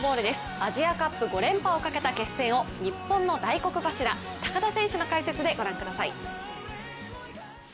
アジアカップ５連勝をかけた一戦を日本の大黒柱、高田選手の解説でお送りします。